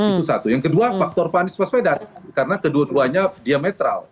itu satu yang kedua faktor pak anies paswedan karena kedua duanya diametral